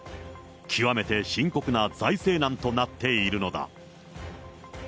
極めて深刻な財政難となっているのだ。